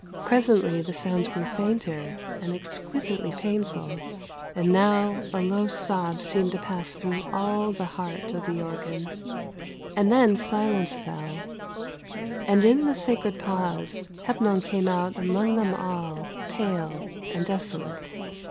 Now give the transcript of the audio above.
Presently the sounds grew fainter, and exquisitely painful, and now a low sob seemed to pass through all the heart of the organ, and then silence fell, and in the sacred pause, Hepnon came out among them all, pale and desolate.